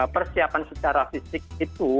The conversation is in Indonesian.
persiapan secara fisik itu